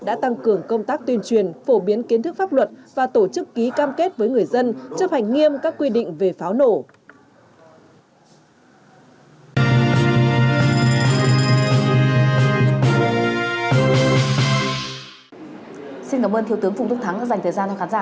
đã tăng cường công tác tuyên truyền phổ biến kiến thức pháp luật và tổ chức ký cam kết với người dân chấp hành nghiêm các quy định về pháo nổ